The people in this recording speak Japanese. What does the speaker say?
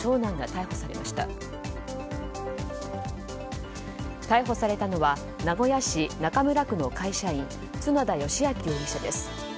逮捕されたのは名古屋市中村区の会社員角田佳陽容疑者です。